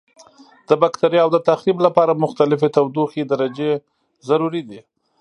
د بکټریاوو د تخریب لپاره مختلفې تودوخې درجې ضروري دي.